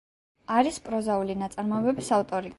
არის პროზაული ნაწარმოებების ავტორი.